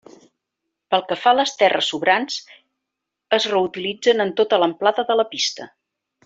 Pel que fa a les terres sobrants, es reutilitzen en tota l'amplada de la pista.